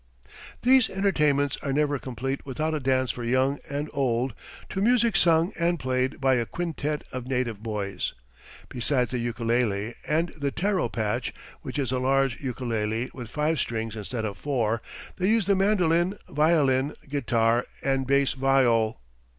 These entertainments are never complete without a dance for young and old, to music sung and played by a quintette of native boys. Besides the ukulele and the taro patch, which is a large ukulele with five strings instead of four, they use the mandolin, violin, guitar and bass viol.